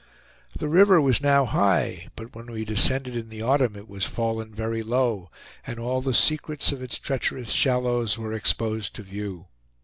The river was now high; but when we descended in the autumn it was fallen very low, and all the secrets of its treacherous shallows were exposed to view.